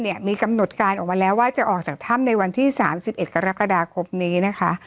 มีกำหนดการออกมาแล้วว่าจะออกจากถ้ำในวันที่๓๑กรกฎาคมนี้นะคะ